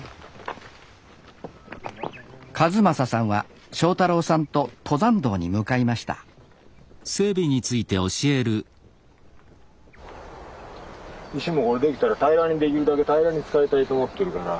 一正さんは正太郎さんと登山道に向かいました石もこれできたら平らにできるだけ平らに使いたいと思ってるから。